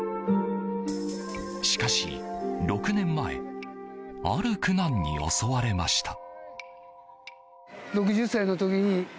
しかし、６年前ある苦難に襲われました。